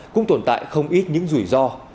cũng tồn tại không ít những rủi ro